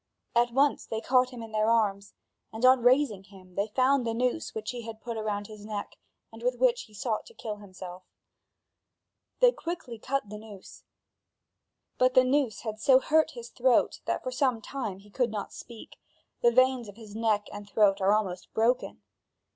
At once they caught him in their arms and, on raising him, they found the noose which he had put around his neck and with which he sought to kill himself. They quickly cut the noose; but the noose had so hurt his throat that for some time he could not speak; the veins of his neck and throat are almost broken.